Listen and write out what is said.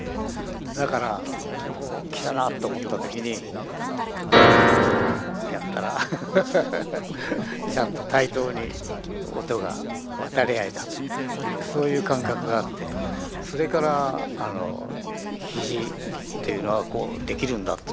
だからこうきたなと思った時に。ってやったらハハハハハちゃんと対等に音が渡り合えたというそういう感覚があってそれから肘っていうのはこうできるんだって。